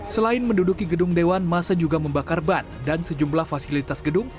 selain menduduki gedung dewan masa juga membakar ban dan sejumlah fasilitas gedung